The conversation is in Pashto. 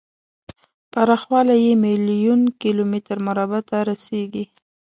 پراخوالی یې میلیون کیلو متر مربع ته رسیږي.